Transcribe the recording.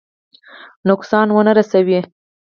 نقصان ونه رسوي.